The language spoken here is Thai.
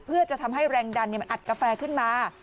เพื่อจะทำให้แรงดันมันอัดกาแฟขึ้นมา